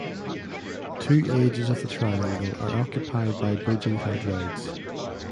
Two edges of the triangle are occupied by bridging hydrides.